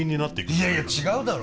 いやいや違うだろ！